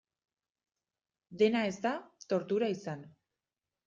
Dena ez da tortura izan.